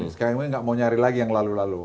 sekarang ini nggak mau nyari lagi yang lalu lalu